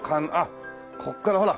ここからほら。